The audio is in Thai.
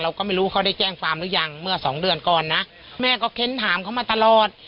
เราก็ไม่รู้เขาได้แจ้งความหรือยังเมื่อสองเดือนก่อนนะแม่ก็เค้นถามเขามาตลอด